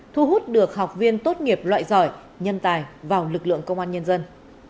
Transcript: thu hút được học viên tốt nghiệp loại giỏi nhân tài vào lực lượng công an nhân dân